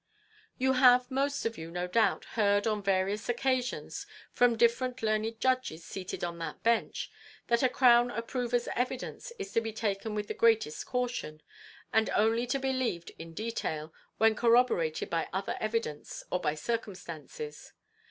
"You have most of you, no doubt, heard, on various occasions, from different learned judges seated on that bench, that a crown approver's evidence is to be taken with the greatest caution, and only to be believed in detail, when corroborated by other evidence or by circumstances.